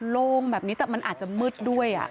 โล่งแบบนี้แต่มันอาจจะมืดด้วย